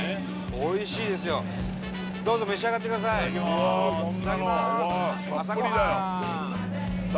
おいしいですよどうぞ召し上がってくださいいただきまーすわあ